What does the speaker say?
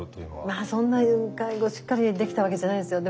まあそんなに介護しっかりできたわけじゃないですよ。